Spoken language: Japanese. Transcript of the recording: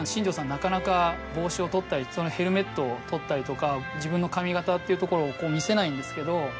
なかなか帽子を取ったりヘルメットを取ったりとか自分の髪形っていうところを見せないんですけど。